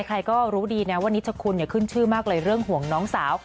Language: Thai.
ใครก็รู้ดีนะว่านิชคุณขึ้นชื่อมากเลยเรื่องห่วงน้องสาว